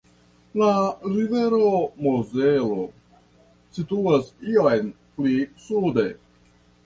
La rivero Mozelo situas iom pli sude.